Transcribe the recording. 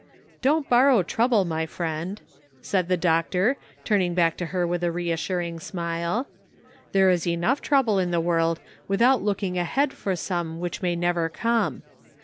"Don't borrow trouble, my friend," said the 142 A TRYING POSITION. doctor, turning back to her with a reassuring smile, "there is enough trouble in the world without looking ahead for some which may never come.